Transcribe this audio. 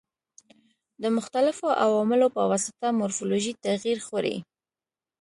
د مختلفو عواملو په واسطه مورفولوژي تغیر خوري.